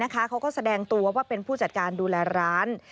เขาก็แสดงตัวว่าเป็นผู้จัดการดูแลร้าน